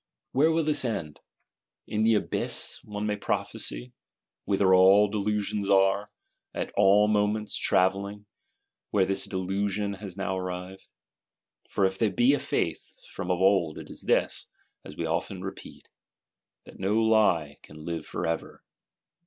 Where this will end? In the Abyss, one may prophecy; whither all Delusions are, at all moments, travelling; where this Delusion has now arrived. For if there be a Faith, from of old, it is this, as we often repeat, that no Lie can live for ever.